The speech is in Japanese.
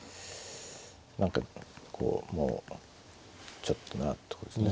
何かこうもうちょっとなってことですね。